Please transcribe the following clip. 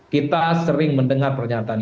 kita sering mendengar pernyataan